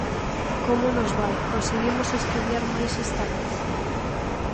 Como nos vai, conseguimos estudiar máis esta vez...